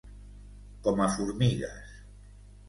Com a formigues.